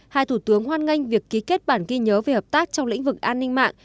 hai thủ tướng hoan nghênh việc ký kết bản ghi nhớ về hợp tác trong lĩnh vực an ninh mạng